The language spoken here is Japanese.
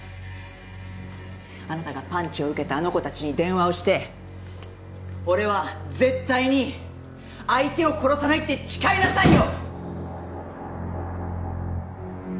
あなたがパンチを受けたあの子たちに電話をして「俺は絶対に相手を殺さない」って誓いなさいよ！